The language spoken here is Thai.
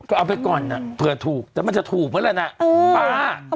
ก็เอาไปก่อนน่ะเผื่อถูกแต่มันจะถูกมั้ยแหละน่ะเอ้อบ๊า